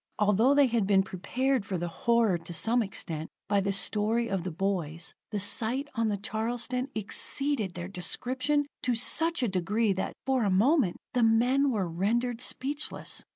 Although they had been prepared for the horror to some extent by the story of the boys, the sight on the Charleston exceeded their description to such a degree that, for the moment, the men were rendered speechless.